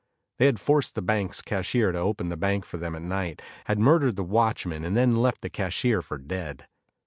They had forced the bank's cashier to open the bank for them at night, had murdered the watchman and then left the cashier for dead.